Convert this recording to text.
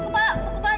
buk kepala buk kepala